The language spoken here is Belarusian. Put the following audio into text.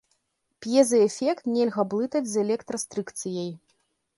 П'езаэфект нельга блытаць з электрастрыкцыяй.